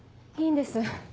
いいんです